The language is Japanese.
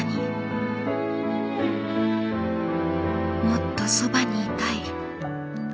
もっとそばにいたい。